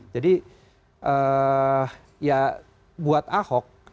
jadi ya buat ahok